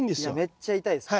めっちゃ痛いです。